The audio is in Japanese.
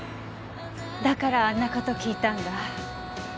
だからあんな事聞いたんだ。